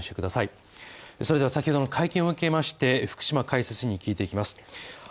それでは先ほどの会見を受けまして福島解説員に聞いていきます。